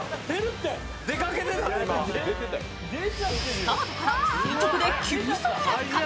スタートから垂直で急速落下。